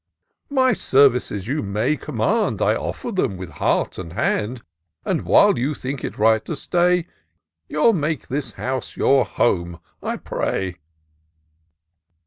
My services you may command ; I offer them with heart and hand ; And while you think it right to stay. You'll make this house your home, I pray."